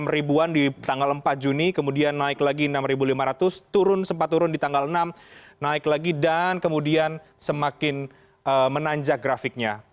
enam ribuan di tanggal empat juni kemudian naik lagi enam lima ratus turun sempat turun di tanggal enam naik lagi dan kemudian semakin menanjak grafiknya